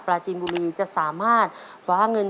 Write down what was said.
ตัวเลือดที่๓ม้าลายกับนกแก้วมาคอ